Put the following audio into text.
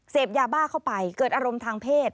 ยาบ้าเข้าไปเกิดอารมณ์ทางเพศ